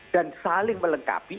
dan saling melengkapi